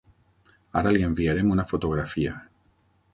Ara li enviarem una fotografia.